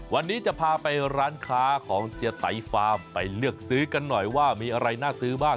วันนี้จะพาไปร้านค้าของเจียไตฟาร์มไปเลือกซื้อกันหน่อยว่ามีอะไรน่าซื้อบ้าง